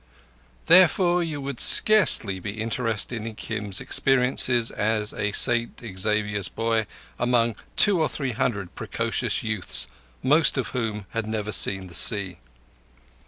Therefore, you would scarcely be interested in Kim's experiences as a St Xavier's boy among two or three hundred precocious youths, most of whom had never seen the sea.